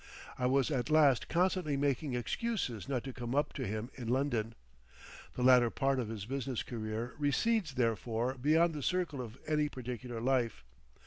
I was at last constantly making excuses not to come up to him in London. The latter part of his business career recedes therefore beyond the circle of any particular life.